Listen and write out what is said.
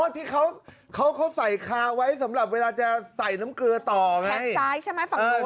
อ๋อที่เขาเขาเขาใส่คาไว้สำหรับเวลาจะใส่น้ำเกลือต่อไงแทนซ้ายใช่ไหมฝั่งนู้น